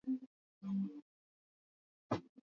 kwa uhuru wa vyombo vya habari na wanahabari wenyewe